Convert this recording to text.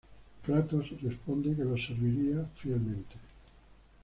Kratos responde que los servirá fielmente.